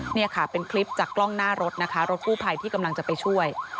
นี่ค่ะเป็นคลิปจากกล้องหน้ารถนะคะรถกู้ภัยที่กำลังจะไปช่วย